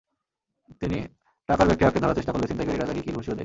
তিনি টাকার ব্যাগটি আঁকড়ে ধরার চেষ্টা করলে ছিনতাইকারীরা তাঁকে কিলঘুষিও দেয়।